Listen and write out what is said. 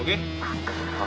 oke bang thank you